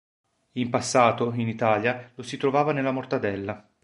In passato, in Italia, lo si trovava nella mortadella.